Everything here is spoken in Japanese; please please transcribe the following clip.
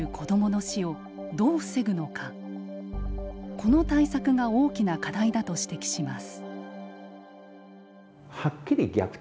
この対策が大きな課題だと指摘します。